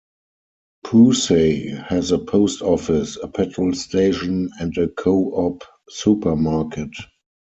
Pewsey has a Post Office, a petrol station, and a Co-op supermarket.